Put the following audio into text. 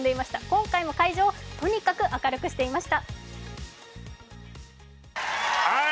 今回も会場をとにかく明るくしていました。